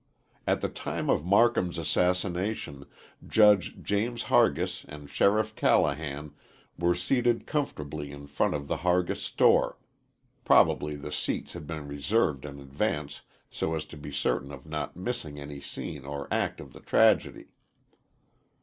At the time of Marcum's assassination Judge James Hargis and Sheriff Callahan were seated comfortably in front of the Hargis store. (Probably the seats had been reserved in advance so as to be certain of not missing any scene or act of the tragedy.)